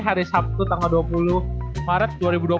hari sabtu tanggal dua puluh maret dua ribu dua puluh